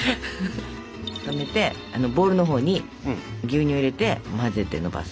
止めてボールのほうに牛乳を入れて混ぜてのばす。